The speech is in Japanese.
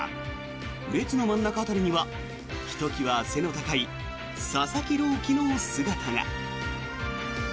列の真ん中辺りにはひときわ背の高い佐々木朗希の姿が。